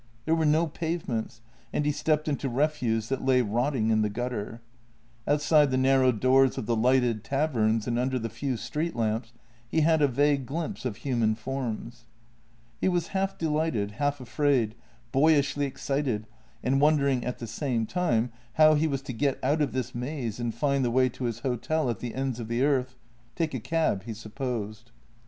There were no pavements and he stepped into re fuse that lay rotting in the gutter. Outside the narrow doors of the lighted taverns and under the few street lamps he had a vague glimpse of human forms. He was half delighted, half afraid — boyishly excited, and wondering at the same time how he was to get out of this maze and find the way to his hotel at the ends of the earth — take a cab, he supposed.